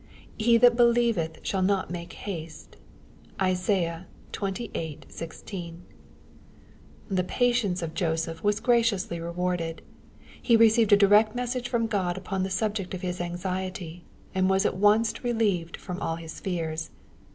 '^ He that believeth shall not make haste/' (Isaiah xxviii. 16.) The patience of Joseph was graciously rewarded. He received a direct message from God upon the subject of his anxiety^ and was at once relieved from all his fears.